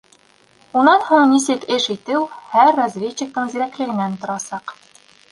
Унан һуң нисек эш итеү һәр разведчиктың зирәклегенән торасаҡ.